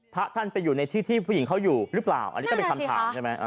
พระท่านไปอยู่ในที่ที่ผู้หญิงเขาอยู่หรือเปล่าอันนี้ก็เป็นคำถามใช่ไหม